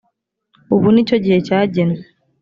ubu ni cyo gihe cyagenwe